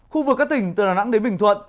khu vực các tỉnh từ đà nẵng đến bình thuận